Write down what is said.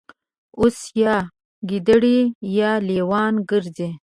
اوس یا ګیدړې یا لېوان ګرځي